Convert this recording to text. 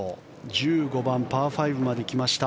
１５番、パー５まで来ました。